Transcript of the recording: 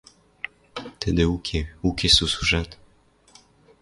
Тӹдӹ уке — уке сусужат.